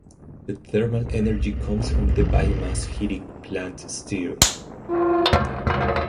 The thermal energy comes from the biomass heating plant Steyr.